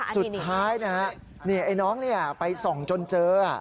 สุดท้ายนะฮะเนี่ยไอ้น้องเนี่ยไปส่องจนเจอ